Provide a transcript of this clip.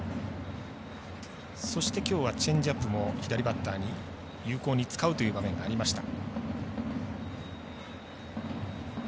そしてきょうはチェンジアップも左バッターに有効に使うという場面もありました。